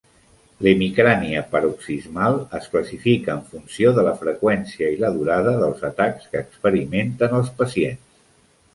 L'hemicrània paroxismal es classifica en funció de la freqüència i la durada dels atacs que experimenten els pacients.